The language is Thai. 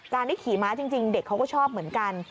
ที่ขี่ม้าจริงเด็กเขาก็ชอบเหมือนกัน